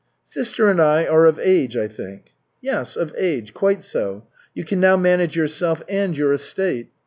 "Sister and I are of age, I think?" "Yes, of age. Quite so. You can now manage yourself and your estate."